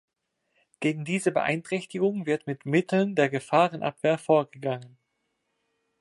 Gegen diese Beeinträchtigung wird mit Mitteln der Gefahrenabwehr vorgegangen.